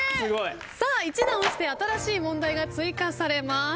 さあ１段落ちて新しい問題が追加されます。